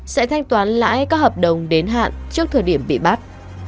sẽ thanh toán lãi các hợp đồng đến hạn trước thời điểm bị bắt